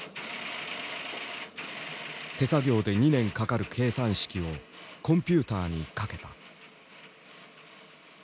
手作業で２年かかる計算式をコンピュータ−にかけた。